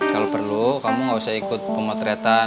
kalo perlu kamu ngga usah ikut pemotretan